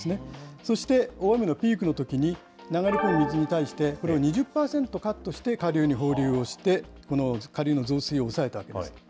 そして大雨のピークのときに、流れ込む水に対して、これを２０％カットして、下流に放流をして、この下流の増水を抑えたわけです。